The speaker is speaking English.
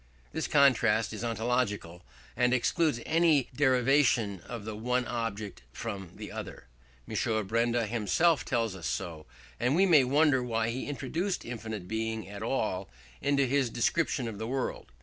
This contrast is ontological, and excludes any derivation of the one object from the other. M. Benda himself tells us so; and we may wonder why he introduced infinite Being at all into his description of the world.